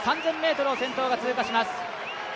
３０００ｍを先頭が通過します。